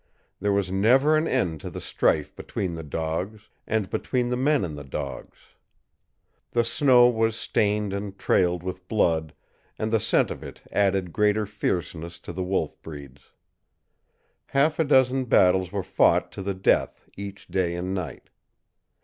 There was never an end to the strife between the dogs, and between the men and the dogs. The snow was stained and trailed with blood, and the scent of it added greater fierceness to the wolf breeds. Half a dozen battles were fought to the death each day and night.